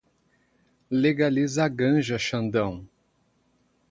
Legaliza a ganja, Xandão